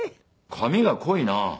髪が濃いな。